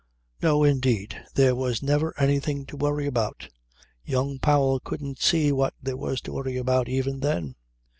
No, indeed, there was never anything to worry about.' Young Powell couldn't see what there was to worry about even then.